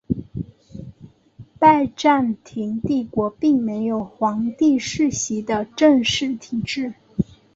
拜占庭帝国并没有皇帝世袭的正式体制。